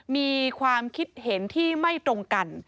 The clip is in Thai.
มีความคิดเห็นที่ไม่ตรงกัน